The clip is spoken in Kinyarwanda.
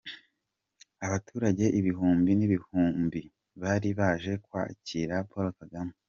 Abaturage ibihumbi n'ibihumbi bari baje kwakira Paul Kagame.